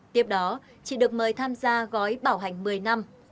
tiếp đó chị được mời tham gia gói bảo hành một mươi năm